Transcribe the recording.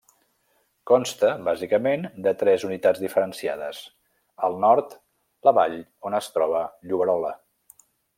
Consta, bàsicament, de tres unitats diferenciades: al nord, la vall on es troba Lloberola.